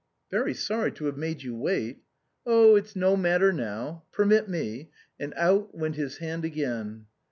" Very sorry to have made you wait." " Oh ! it's no matter now. Permit me "— and out went his hand again.